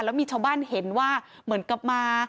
แล้วมีชาวบ้านเห็นว่าเหมือนกับมา